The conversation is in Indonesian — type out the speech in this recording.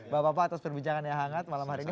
bapak bapak atas perbincangan yang hangat malam hari ini